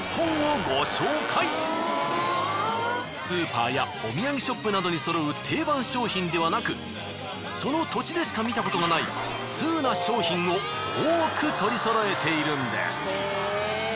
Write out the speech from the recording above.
スーパーやお土産ショップなどに揃う定番商品ではなくその土地でしか見たことがないツウな商品を多く取り揃えているんです。